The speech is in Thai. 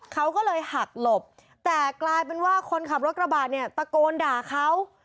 เขาก็เลยหักหลบแต่กลายเป็นว่าคนขับรถกระบาดเนี่ยตะโกนด่าเขา